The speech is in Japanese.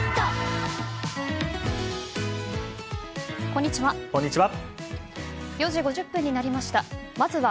こんにちは。